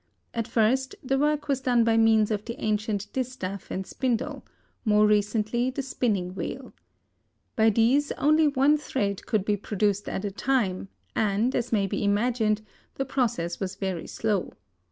At first the work was done by means of the ancient distaff and spindle, more recently the spinning wheel. By these only one thread could be produced at a time and, as may be imagined, the process was very slow.